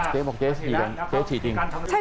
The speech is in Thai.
เจ๊บอกเจ๊ฉี่จริง